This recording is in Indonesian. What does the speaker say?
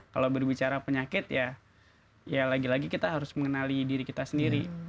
kalau berbicara penyakit ya ya lagi lagi kita harus mengenali diri kita sendiri